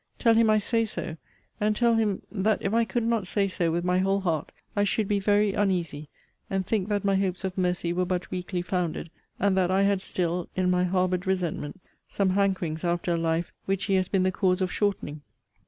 Tell him I say so! And tell him, that if I could not say so with my whole heart, I should be very uneasy, and think that my hopes of mercy were but weakly founded; and that I had still, in my harboured resentment, some hankerings after a life which he has been the cause of shortening.